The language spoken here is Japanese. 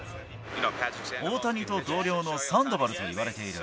大谷と同僚のサンドバルといわれている。